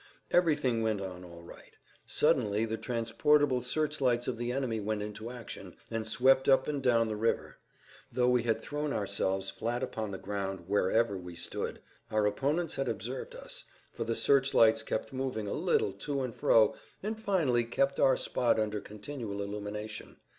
Everything went on all right. Suddenly the transportable search lights of the enemy went into action, and swept up and down the river. Though we had thrown ourselves flat upon the ground wherever we stood, our opponents had observed us, for the search lights kept moving a little to and fro and finally kept our spot [Pg 44]under continual illumination.